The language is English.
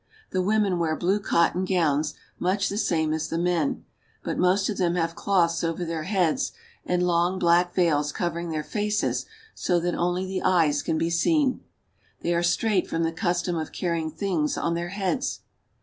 The women wear blue cotton gowns, much the same as the men, but most of them have cloths over their heads and long, black veils covering their faces so that only the eyes can be seen. They are straight from the custom of carrying things on their heads.